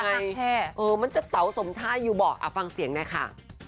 ได้พิบัติแฮบแปลคุณมันจะเต๋าสมชาติอยู่บ่ฟังเสียงนะคะ